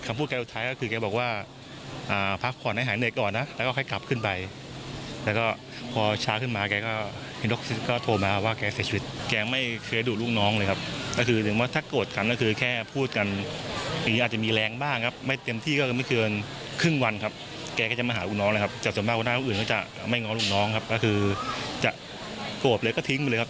ไม่ง้อลูกน้องครับก็คือจะโกรธเลยก็ทิ้งไปเลยครับ